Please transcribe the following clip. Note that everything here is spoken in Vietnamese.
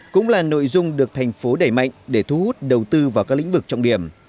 cũng là nội dung được thành phố đẩy mạnh để thu hút đầu tư vào các lĩnh vực trọng điểm